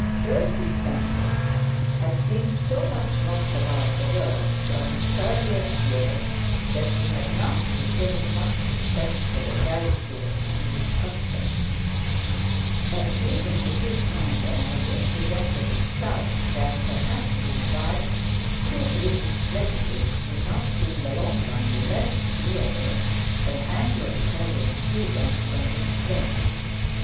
Bertie Stanhope had so much knocked about the world from his earliest years, that he had not retained much respect for the gravity of English customs; but even to his mind an idea presented itself, that, perhaps in a wife, true British prejudice would not in the long run be less agreeable than Anglo Italian freedom from restraint.